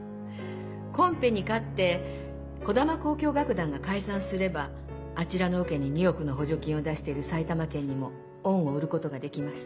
コンペに勝って児玉交響楽団が解散すればあちらのオケに２億の補助金を出してる埼玉県にも恩を売ることができます。